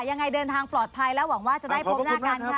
ยังไงเดินทางปลอดภัยแล้วหวังว่าจะได้พบหน้ากันค่ะ